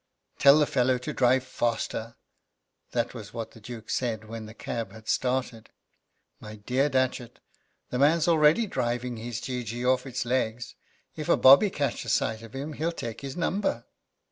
"Tell the fellow to drive faster." That was what the Duke said when the cab had started. "My dear Datchet, the man's already driving his geegee off its legs. If a bobby catches sight of him he'll take his number."